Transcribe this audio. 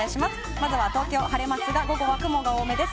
まずは東京、晴れますが午後は雲が多めです。